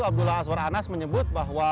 abdullah azwar anas menyebut bahwa